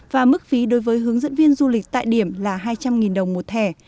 và mức phí đối với hướng dẫn viên du lịch tại điểm là hai trăm linh đồng một thẻ